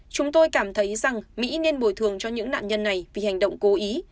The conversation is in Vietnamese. chúng tôi cảm thấy rằng mỹ nên bồi thường cho những nạn nhân này vì hành động cố ý